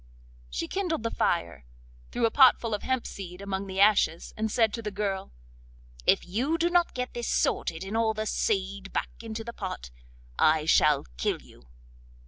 She kindled the fire, threw a potful of hemp seed among the ashes, and said to the girl: 'If you do not get this sorted, and all the seed back into the pot, I shall kill you!